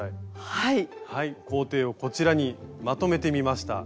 行程をこちらにまとめてみました。